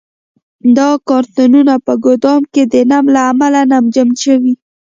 دا کارتنونه په ګدام کې د نم له امله نمجن شوي.